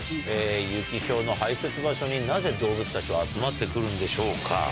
ユキヒョウの排せつ場所になぜ動物たちは集まってくるんでしょうか。